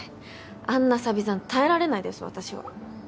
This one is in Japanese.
あんなサビ残耐えられないです私は。